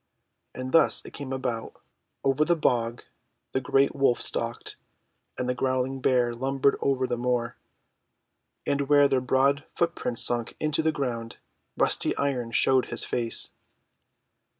And thus it came about :— Over the bog the great WTolf stalked, and the growling Bear lumbered over the moor. And where their broad footprints sunk into the ground, rusty Iron showed his face.